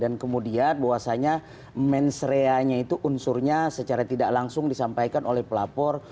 dan kemudian bahwasanya mensreanya itu unsurnya secara tidak langsung disampaikan oleh pelapor